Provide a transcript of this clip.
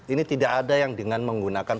ini tidak ada yang dengan menggunakan